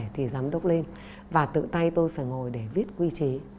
thì giám đốc lên và tự tay tôi phải ngồi để viết quy chế